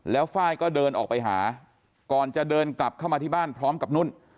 แล้วไฟล์ก็เดินออกไปหาก่อนจะเดินกลับเข้ามาที่บ้านพร้อมกับนุ่น